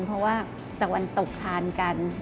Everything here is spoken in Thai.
เพราะว่าตะวันตกทานกัน